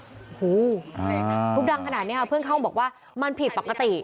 โอ้โหทุบดังขนาดนี้ค่ะเพื่อนเข้าบอกว่ามันผิดปกติ